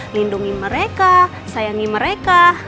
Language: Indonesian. lindungi mereka sayangi mereka